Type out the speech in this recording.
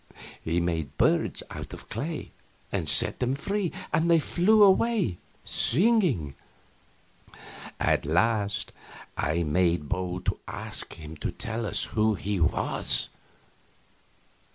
He made birds out of clay and set them free, and they flew away, singing. At last I made bold to ask him to tell us who he was.